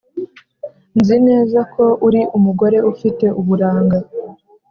nzi neza ko uri umugore ufite uburanga